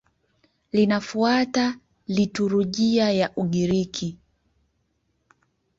Linafuata liturujia ya Ugiriki.